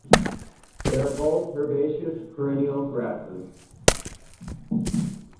They are both herbaceous perennial grasses.